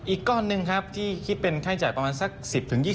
อีกก้อนหนึ่งที่คิดเป็นค่าให้จ่ายประมาณ๑๐๒๐